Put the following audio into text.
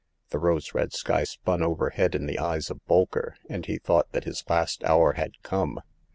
The rose red sky spun overhead in the eyes of Bolker, and he thought that his last hour had come.